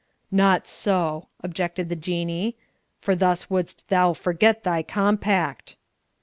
"Not so," objected the Jinnee, "for thus wouldst thou forget thy compact."